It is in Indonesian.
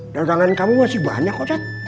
dorongan kamu masih banyak wocat